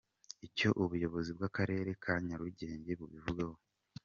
Icyo ubuyobozi bw’Akarere ka Nyarugenge bubivugaho.